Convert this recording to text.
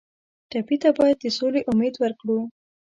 ټپي ته باید د سولې امید ورکړو.